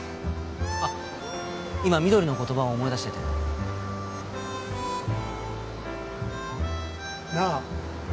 あっ今みどりの言葉を思い出しててなあ